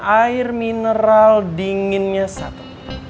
air mineral dinginnya satu